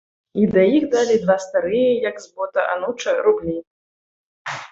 І да іх далі два старыя, як з бота ануча, рублі.